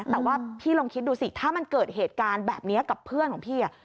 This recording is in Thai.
แต่ว่าพี่ลองคิดดูสิถ้ามันเกิดเหตุการณ์แบบนี้กับเพื่อนของพี่